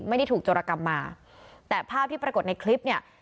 ไม่ได้ถูกโจรกรรมมาแต่ภาพที่ปรากฏในคลิปเนี่ย